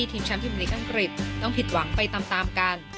ทีมแชมป์พิมพลิกอังกฤษต้องผิดหวังไปตามกัน